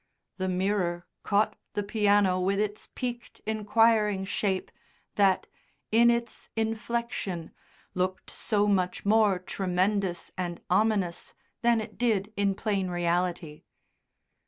The mirror caught the piano with its peaked inquiring shape, that, in its inflection, looked so much more tremendous and ominous than it did in plain reality.